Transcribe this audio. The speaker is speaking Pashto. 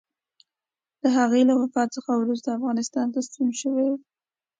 د هغه له وفات څخه وروسته افغانستان ته ستون شوی وي.